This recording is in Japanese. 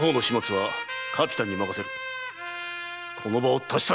この場を立ち去れ！